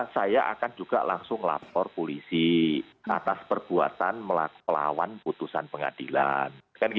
saya akan juga langsung lapor polisi atas perbuatan melawan putusan pengadilan